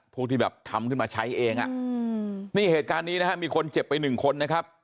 พวกที่แบบทำขึ้นมาใช้เองอ่ะนี่เหตุการณ์นี้นะฮะมีคนเจ็บไปหนึ่งคนนะครับ